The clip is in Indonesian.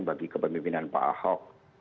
bagi kepemimpinan pak ahok